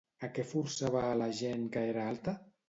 A què forçava a la gent que era alta?